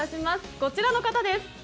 こちらの方です。